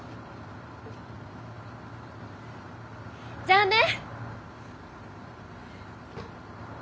じゃあね！